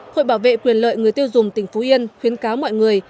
hội bảo vệ quyền lợi người tiêu dùng tỉnh phú yên khuyến cáo mọi người